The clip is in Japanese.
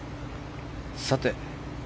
さて、